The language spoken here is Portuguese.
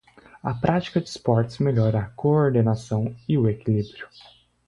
A prática de esportes melhora a coordenação e o equilíbrio.